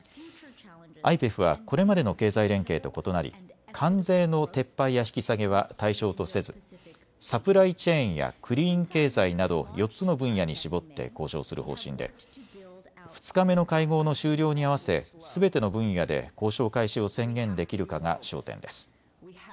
ＩＰＥＦはこれまでの経済連携と異なり関税の撤廃や引き下げは対象とせず、サプライチェーンやクリーン経済など４つの分野に絞って交渉する方針で２日目の会合の終了に合わせすべての分野で交渉開始を宣言できるかが焦点です。